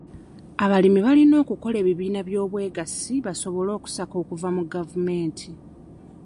Abalimi balina okukola ebibiina by'obwegassi basobole okusaka okuva mu gavumenti.